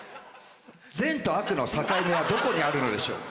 善と悪の境目はどこにあるのでしょう。